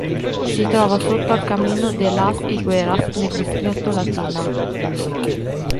Si trova sotto al Camino de las Higueras, nel distretto Latina.